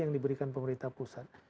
yang diberikan pemerintah pusat